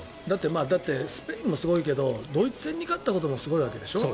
だってスペインもすごいけどドイツ戦に勝ったこともすごいわけでしょ。